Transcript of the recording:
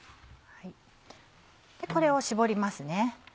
これを搾りますね。